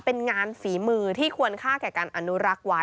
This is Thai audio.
เป็นงานฝีมือที่ควรค่าแก่การอนุรักษ์ไว้